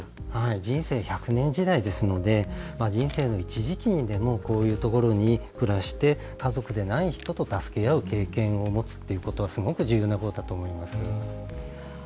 人生１００年時代ですので人生の一時期でもこういうところに暮らして家族でない人と助け合う経験を持つっていうこと、すごく重要なことだと思います。